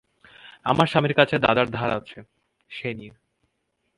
আমার স্বামীর কাছে দাদার ধার আছে, সেই নিয়ে।